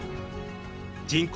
人口